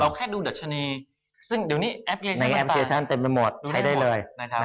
แค่ดูดัชนีซึ่งเดี๋ยวนี้ในแอปพลิเคชันเต็มไปหมดใช้ได้เลย